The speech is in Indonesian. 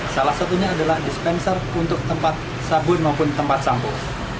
salah satunya adalah dispenser untuk tempat sabun maupun tempat sampur